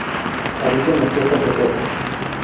Habita en las costas rocosas.